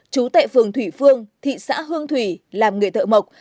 chú tệ phường thủy phương thị xã hương thủy làm người thợ mộc